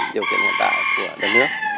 điều kiện hoạt tạo của đất nước